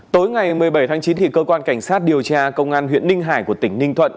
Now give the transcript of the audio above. tối ngày một mươi bảy tháng chín cơ quan cảnh sát điều tra công an huyện ninh hải của tỉnh ninh thuận